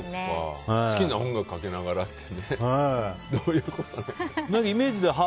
好きな音楽かけながらってねどういうことなんだろう。